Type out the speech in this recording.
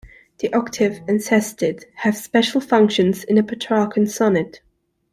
The octave and sestet have special functions in a Petrarchan sonnet.